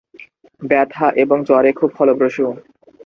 ব্যথা এবং জ্বরে খুব ফলপ্রসূ।